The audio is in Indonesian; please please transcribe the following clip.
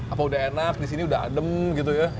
apa udah enak di sini udah adem gitu ya